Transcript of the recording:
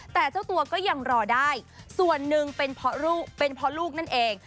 แต่เจ้าตัวก็ยังรอได้ส่วนหนึ่งเป็นเพราะลูกเป็นเพราะลูกนั่นเอง